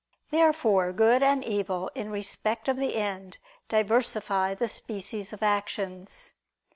Therefore good and evil in respect of the end diversify the species of actions.